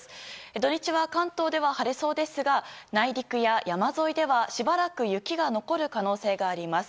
土日は関東では晴れそうですが内陸や山沿いではしばらく雪が残る可能性があります。